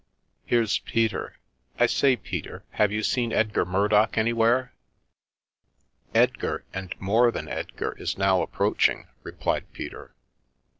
Here's Peter — I say, Peter, have you seen Edgar Murdock anywhere?" " Edgar, and more than Edgar is now approaching," replied Peter.